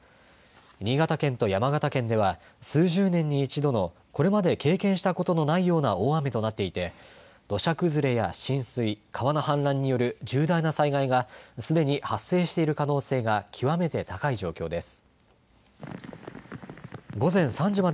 新潟県と山形県では数十年に一度のこれまで経験したことないような大雨となっていて土砂崩れや浸水川の氾濫による重大な災害がすでに発生している可能性が極めて高い状況です。